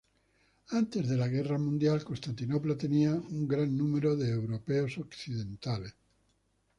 Antes de la guerra mundial Constantinopla tenía un gran número de europeos occidentales.